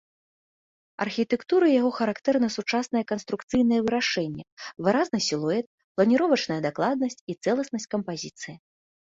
Архітэктуры яго характэрна сучаснае канструкцыйнае вырашэнне, выразны сілуэт, планіровачная дакладнасць і цэласнасць кампазіцыі.